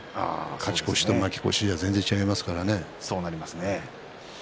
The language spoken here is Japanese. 勝ち越しと負け越しでは全然違いますからね。